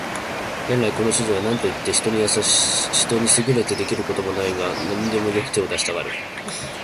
元来この主人は何といって人に優れて出来る事もないが、何にでもよく手を出したがる